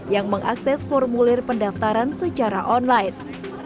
yang mengakses formulir pendaftaran secara online